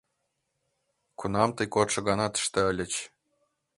— Кунам тый кодшо гана тыште ыльыч?